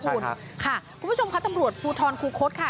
ใช่ครับค่ะคุณผู้ชมค่ะตำรวจภูทรคุโฆษค่ะ